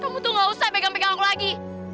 kamu tuh nggak usah pegang pegang aku lagi